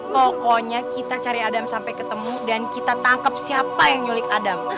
pokoknya kita cari adam sampai ketemu dan kita tangkap siapa yang nyulik adam